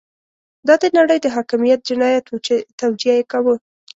دا د نړۍ د حاکميت جنايت وو چې توجیه يې کاوه.